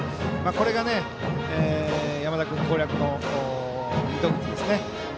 これが山田君の攻略の糸口ですね。